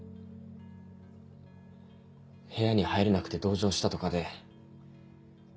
部屋に入れなくて同情したとかで。